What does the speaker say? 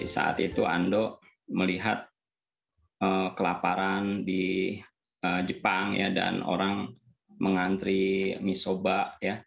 saat itu ando melihat kelaparan di jepang ya dan orang mengantri mie soba ya